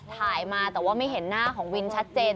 ถ่ายมาแต่ว่าไม่เห็นหน้าของวินชัดเจน